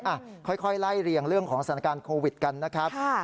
อ่ะค่อยไล่เรียงเรื่องของสถานการณ์โควิดกันนะครับ